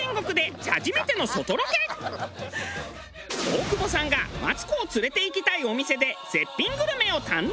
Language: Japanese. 大久保さんがマツコを連れていきたいお店で絶品グルメを堪能！